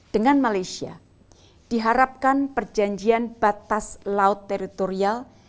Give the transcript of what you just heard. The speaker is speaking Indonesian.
dengan malaysia diharapkan perjanjian batas laut teritorial